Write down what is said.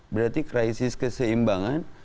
berarti krisis keseimbangan